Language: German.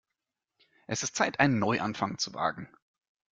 Es ist Zeit, einen Neuanfang zu wagen.